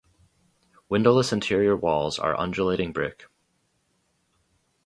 Windowless interior walls are undulating brick.